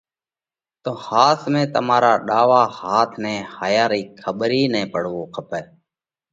تو ۿاس ۾ تمارا را ڏاوا هاٿ نئہ هائيا رئِي کٻر ئي نہ پڙوو کپئہ۔